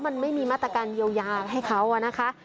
มันไม่มีมาตรการเยียวยาให้เขานะคะ